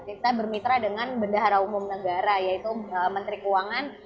kita bermitra dengan bendahara umum negara yaitu menteri keuangan